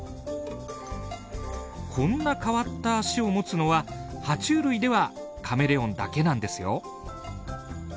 こんな変わった足を持つのは爬虫類ではカメレオンだけなんですよ。